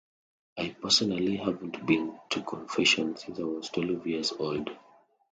I personally haven't been to confession since I was twelve years old.